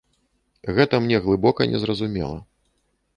Гэта мне глыбока незразумела.